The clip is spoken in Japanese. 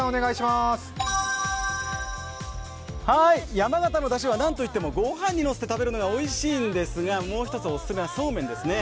山形のだしは、何といってもご飯にのせていただくのがおいしいんですがもう一つ、おすすめはそうめんですね。